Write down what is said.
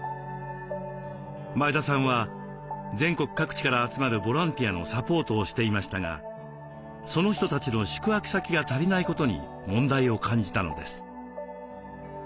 前田さんは全国各地から集まるボランティアのサポートをしていましたがその人たちの宿泊先が足りないことに問題を感じたのです。